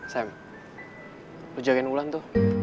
sam lo jagain ulan tuh